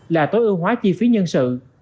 là tối ưu hóa chi phí nhân sự